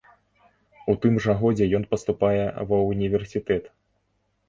У тым жа годзе ён паступае ва ўніверсітэт.